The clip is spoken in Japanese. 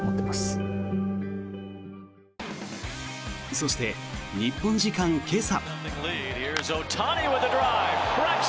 そして、日本時間今朝。